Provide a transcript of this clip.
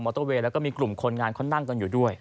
เตอร์เวย์แล้วก็มีกลุ่มคนงานเขานั่งกันอยู่ด้วย